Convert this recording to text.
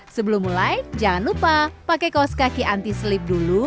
sebelum mulai jangan lupa pakai kaos kaki anti sleep dulu